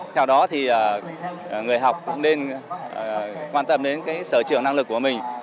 theo đó thì người học cũng nên quan tâm đến sở trường năng lực của mình